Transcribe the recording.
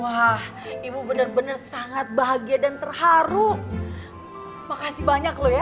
wah ibu bener bener sangat bahagia dan terharu makasih banyak lo ya